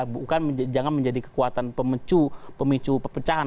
bukan jangan menjadi kekuatan pemicu pemicu pepecahan